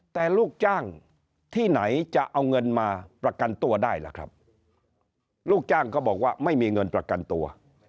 แต่ลูกจ้างที่ไหนจะเอาเงินมาประกันตัวได้ล่ะครับลูกจ้างก็บอกว่าไม่มีเงินประกันตัว